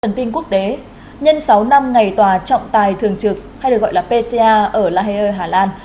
trần tin quốc tế nhân sáu năm ngày tòa trọng tài thường trực hay được gọi là pca ở la hale hà lan